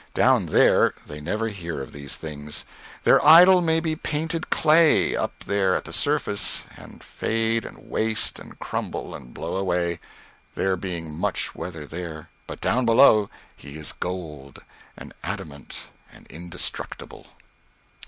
Down there they never hear of these things. Their idol may be painted clay, up then at the surface, and fade and waste and crumble and blow away, there being much weather there; but down below he is gold and adamant and indestructible."